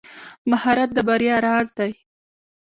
مهارت د بریا راز دی.